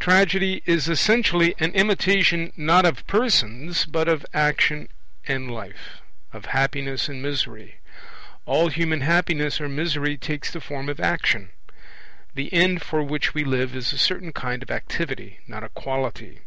Tragedy is essentially an imitation not of persons but of action and life, of happiness and misery. All human happiness or misery takes the form of action; the end for which we live is a certain kind of activity, not a quality.